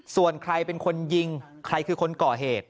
ส่วนใครเป็นคนยิงใครคือคนก่อเหตุ